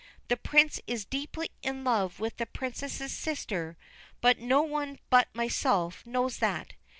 The Prince is deeply in love with the Princess's sister, but no one but myself knows that.